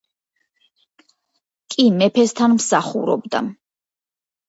კი მეფესთან მსახურობდა